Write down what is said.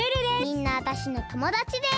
みんなわたしのともだちです！